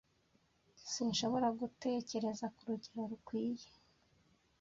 Sinshobora gutekereza kurugero rukwiye.